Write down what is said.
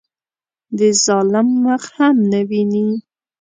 د ظالم مخ هم نه ویني.